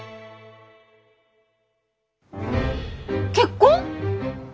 結婚？